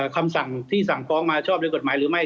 คำสั่งที่สั่งฟ้องมาชอบด้วยกฎหมายหรือไม่